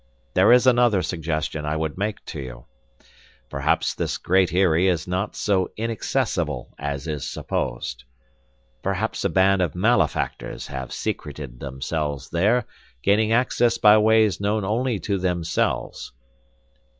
There is another suggestion I would make to you. Perhaps this Great Eyrie is not so inaccessible as is supposed. Perhaps a band of malefactors have secreted themselves there, gaining access by ways known only to themselves."